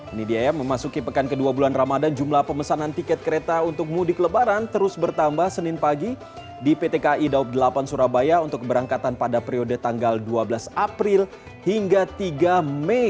ini dia ya memasuki pekan kedua bulan ramadan jumlah pemesanan tiket kereta untuk mudik lebaran terus bertambah senin pagi di pt kai daup delapan surabaya untuk keberangkatan pada periode tanggal dua belas april hingga tiga mei